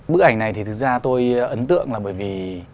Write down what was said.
bức ảnh này thì thực ra tôi ấn tượng là bởi vì